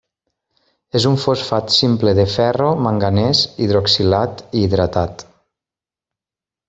És un fosfat simple de ferro i manganès, hidroxilat i hidratat.